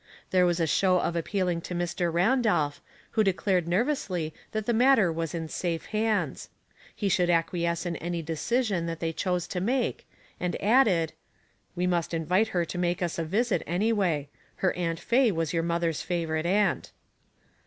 There was a show of appealing to Mr. Randolph, who declared nervously that the mat ter was in safe hands. He should asquiesce in any decision that they chose to make, and added, —" We must invite her to make us a visit anyway. Her Aunt Faye was your mother's favorite aunt."